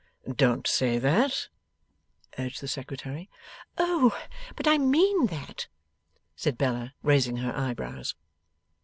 'Don't say that,' urged the Secretary. 'Oh, but I mean that,' said Bella, raising her eyebrows.